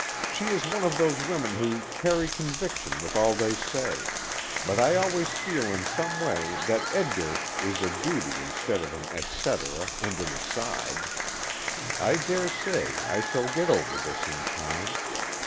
She is one of those women who carry conviction with all they say; but I always feel in some way that Edgar is a duty instead of an et cetera and an aside. I dare say I shall get over this in time.